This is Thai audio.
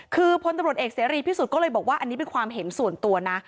คือพลตำรวจเอกเสรีพิสุทธิ์ก็เลยบอกว่าอันนี้เป็นความเห็นส่วนตัวนะ